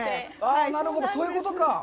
なるほど、そういうことか。